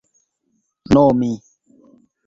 nomi